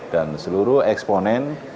dan seluruh eksponen